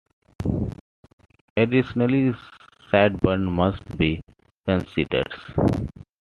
Additionally, sideburns must be considered.